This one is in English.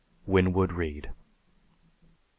WINWOOD READE.